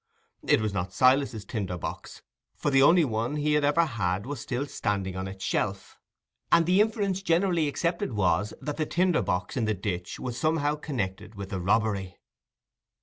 It was not Silas's tinder box, for the only one he had ever had was still standing on his shelf; and the inference generally accepted was, that the tinder box in the ditch was somehow connected with the robbery.